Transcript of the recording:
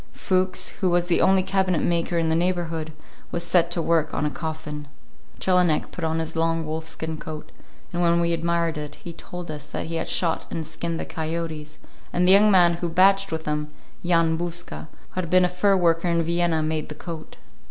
Fuchs, who was the only cabinet maker in the neighborhood, was set to work on a coffin. Jelinek put on his long wolfskin coat, and when we admired it, he told us that he had shot and skinned the coyotes, and the young man who "batched" with him, Jan Bouska, who had been a fur worker in Vienna, made the coat.